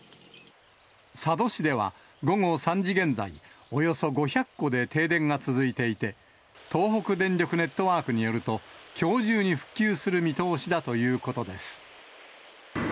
佐渡市では午後３時現在、およそ５００戸で停電が続いていて、東北電力ネットワークによると、きょう中に復旧する見通しだということです。